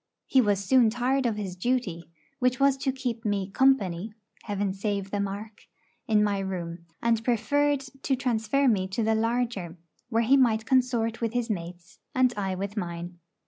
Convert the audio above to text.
He was soon tired of his duty, which was to keep me 'company' (Heaven save the mark!) in my room, and preferred to transfer me to the larger, where he might consort with his mates, and I with mine.